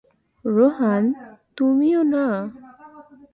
রোহান, তুমিও না।